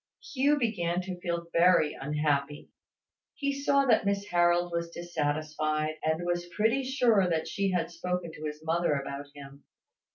Hugh began to feel very unhappy. He saw that Miss Harold was dissatisfied, and was pretty sure that she had spoken to his mother about him.